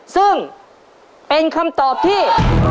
ซึ่งเป็นคำตอบที่